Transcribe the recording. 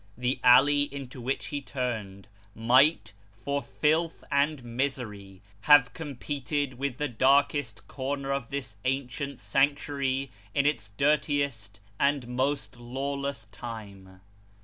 The alley into which he turned, might, for filth and misery, have competed with the darkest corner of this ancient sanctuary in its dirtiest and most lawless time.